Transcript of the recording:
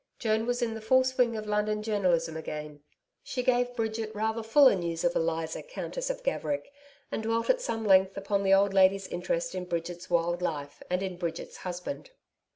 Joan was in the full swing of London journalism again. She gave Bridget rather fuller news of Eliza Countess of Gaverick, and dwelt at some length upon the old lady's interest in Bridget's wild life and in Bridget's husband.